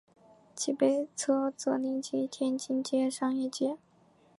其北侧则邻近天津街商业街。